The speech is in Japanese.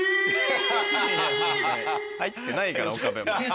入ってないから岡部も。